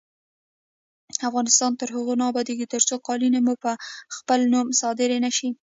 افغانستان تر هغو نه ابادیږي، ترڅو قالینې مو په خپل نوم صادرې نشي.